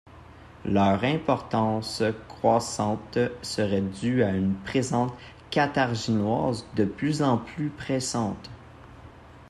Leur importance croissante serait due à une présence carthaginoise de plus en plus pressante.